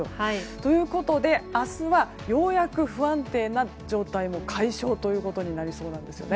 ということで明日はようやく不安定な状態も解消ということになりそうなんですよね。